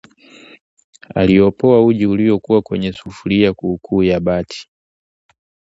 Aliopoa uji uliokuwa kwenye sufuria kuukuu ya bati